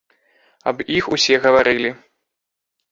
Аб іх усе гаварылі.